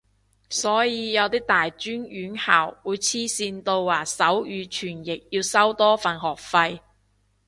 所以有啲大專院校會黐線到話手語傳譯要收多份學費